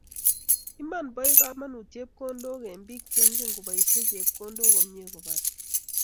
Iman bo kamanut chepkondok, eng biik cheingen kobaishie chepkondok komnyei kobare